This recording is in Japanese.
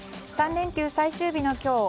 ３連休最終日の今日